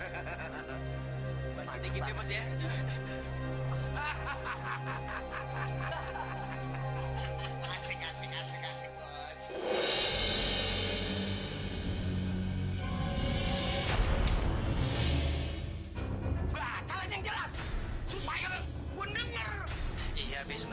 aku harus segera sampai ke markas pencak laut itu